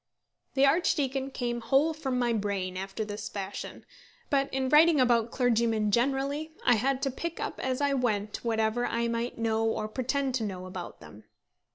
The archdeacon came whole from my brain after this fashion; but in writing about clergymen generally, I had to pick up as I went whatever I might know or pretend to know about them.